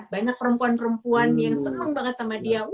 banyak perempuan perempuan yang senang banget sama dia